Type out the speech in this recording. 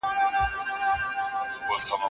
د روغتیا ساتنه د کورنۍ د سوکالۍ برخه ده.